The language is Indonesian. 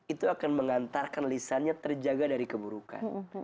itu akan mengantarkan lisannya terjaga dari keburukan